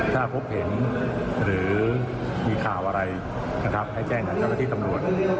ถ้าพบเห็นหรือมีข่าวอะไรนะครับให้แจ้งกับเจ้าหน้าที่ตำรวจ